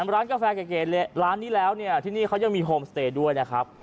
ร้านกาแฟเก๋ร้านนี้แล้วเนี่ยที่นี่เขายังมีโฮมสเตย์ด้วยนะครับ